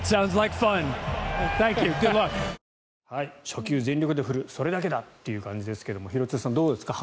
初球、全力で振るそれだけだ！という感じですが廣津留さん、どうですか。